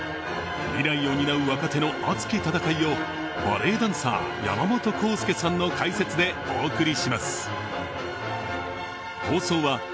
未来を担う若手の熱き戦いをバレエダンサー、山本康介さんの解説でお送りします。